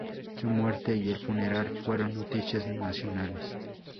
Su muerte y el funeral fueron noticias nacionales.